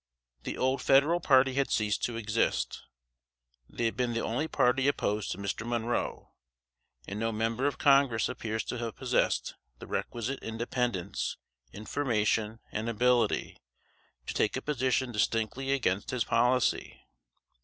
The old Federal party had ceased to exist. They had been the only party opposed to Mr. Monroe; and no member of Congress appears to have possessed the requisite independence, information and ability, to take a position distinctly against his policy.